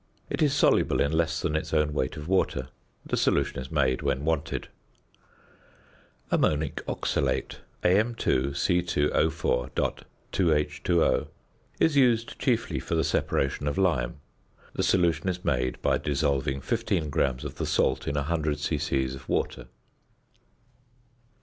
It is soluble in less than its own weight of water. The solution is made when wanted. ~Ammonic Oxalate~ (Am_C_O_.2H_O) is used chiefly for the separation of lime. The solution is made by dissolving 15 grams of the salt in 100 c.c. of water.